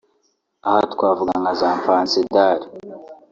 Aha twavuga nka za fansidari